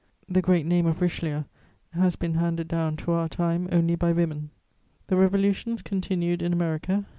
The great name of Richelieu has been handed down to our time only by women. The revolutions continued in America.